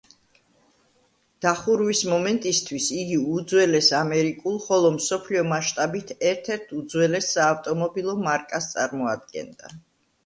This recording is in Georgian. დახურვის მომენტისთვის, იგი უძველეს ამერიკულ, ხოლო მსოფლიო მასშტაბით ერთ–ერთ უძველეს საავტომობილო მარკას წარმოადგენდა.